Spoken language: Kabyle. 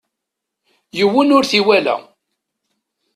Yiwen ur t-iwala.